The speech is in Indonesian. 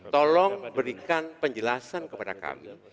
tolong berikan penjelasan kepada kami